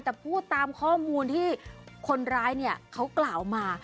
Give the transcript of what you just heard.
แต่พูดตามข้อมูลที่คนร้ายเนี่ยเขากล่าวมา